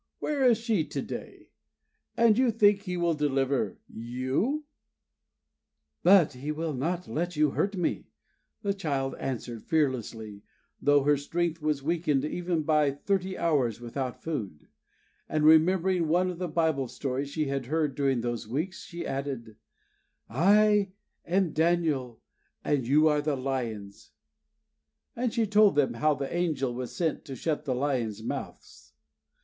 Where is she to day? And you think He will deliver you!" "But He will not let you hurt me," the child had answered fearlessly, though her strength was weakened even then by thirty hours without food; and, remembering one of the Bible stories she had heard during those weeks, she added, "I am Daniel, and you are the lions" and she told them how the angel was sent to shut the lions' mouths.